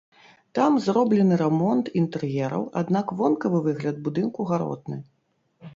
Там зроблены рамонт інтэр'ераў, аднак вонкавы выгляд будынку гаротны.